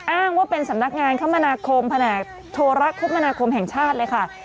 อ้างว่าเป็นสำนักงานคมนาคมแผนกโทรคมนาคมแห่งชาติเลยค่ะ